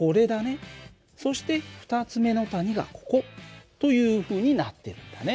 そして２つ目の谷がここというふうになってるんだね。